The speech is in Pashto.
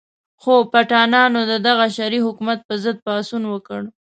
خو پټانانو د دغه شرعي حکومت په ضد پاڅون وکړ.